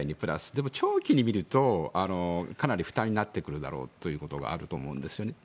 でも長期に見るとかなり負担になってくるだろうということがあると思うんです。